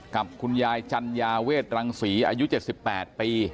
กับคุณยายจัญญาเวทรังศรีอายุ๗๘ปี